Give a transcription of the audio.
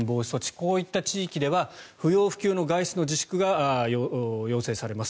こういった地域では不要不急の外出自粛が要請されます。